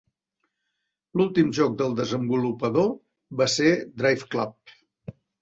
L'últim joc del desenvolupador va ser 'Driveclub'.